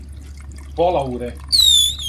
пола уре